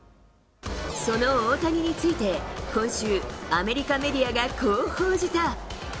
その大谷について、今週、アメリカメディアがこう報じた。